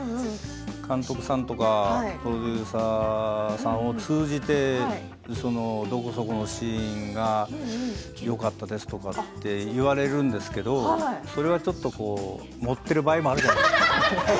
監督さんとかプロデューサーさんを通じてどこそこのシーンがよかったですとか言われるんですけどそれはちょっと盛ってる場合もあるじゃないですか。